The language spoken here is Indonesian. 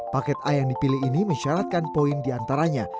paket a yang dipilih ini mensyaratkan poin di antaranya